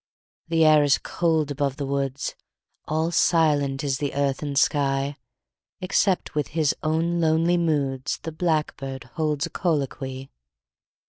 The air is cold above the woods; 5 All silent is the earth and sky, Except with his own lonely moods The blackbird holds a colloquy.